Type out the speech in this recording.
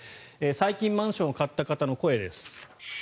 最近、マンションを買った方の声です。